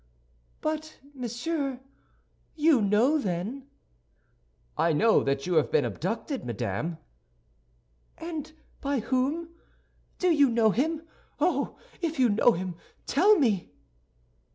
"But, monsieur, you know then—" "I know that you have been abducted, madame." "And by whom? Do you know him? Oh, if you know him, tell me!"